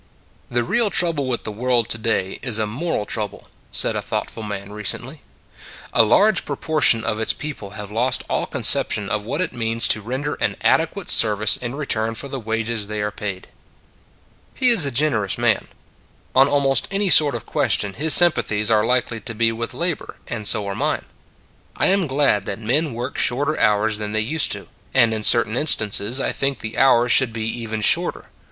" The real trouble with the world to day is a moral trouble," said a thoughtful man recently. " A large proportion of its people have lost all conception of what it means to render an adequate service in re turn for the wages they are paid." He is a generous man. On almost any sort of question his sympathies are likely to be with labor, and so are mine. I am glad that men work shorter hours than they used to, and in certain instances I think the hours should be even shorter.